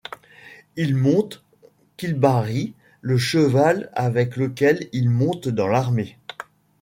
Il monte Kilbarry, le cheval avec lequel il monte dans l'armée.